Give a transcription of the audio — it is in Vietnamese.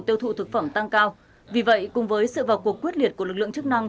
tiêu thụ thực phẩm tăng cao vì vậy cùng với sự vào cuộc quyết liệt của lực lượng chức năng